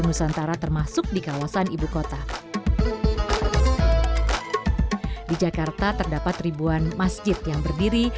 nusantara termasuk di kawasan ibukota di jakarta terdapat ribuan masjid yang berdiri